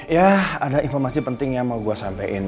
ya ada informasi penting yang mau gue sampein